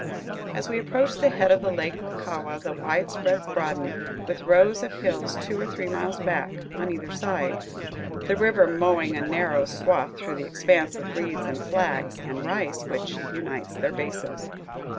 As we approach the head of Lake Puckawa, the widespreads broaden, with rows of hills two or three miles back, on either side, the river mowing a narrow swath through the expanse of reeds and flags and rice which unites their bases.